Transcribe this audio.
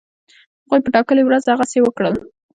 هغوی په ټاکلې ورځ هغسی وکړل.